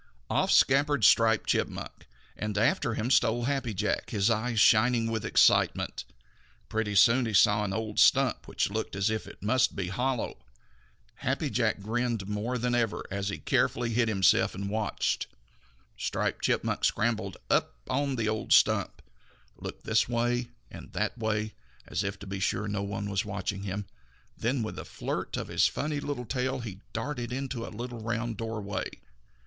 Off scampered Striped Chipmunk, and after him stole Happy Jack, his eyes shining with excitement. Pretty soon he saw an old stump which looked as if it must be hollow. Happy Jack grinned more than ever as he carefully hid himself and watched. Striped Chipmunk scrambled up on the old stump, looked this way and that way, as if to be sure that no one was watching him, then with a flirt of his funny little tail he darted into a little round doorway.